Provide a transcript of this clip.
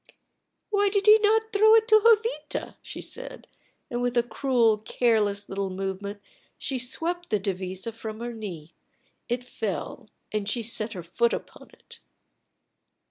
"Why did he not throw it to Jovita?" she said, and with a cruel, careless little movement she swept the devisa from her knee; it fell, and she set her foot upon it.